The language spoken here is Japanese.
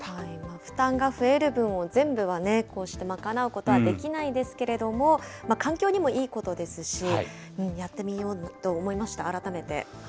負担が増える分を、全部はこうして賄うことはできないですけれども、環境にもいいことですし、やってみようと思いました、改めて。